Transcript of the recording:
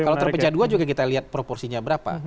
kalau terpecah dua juga kita lihat proporsinya berapa